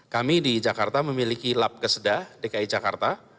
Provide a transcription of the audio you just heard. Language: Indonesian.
kami di jakarta memiliki lab kesedah dki jakarta